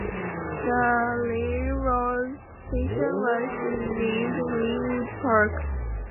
The railroad station was renamed "Linwood Park".